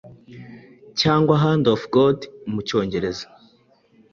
cyangwa Hand of God mu Cyongereza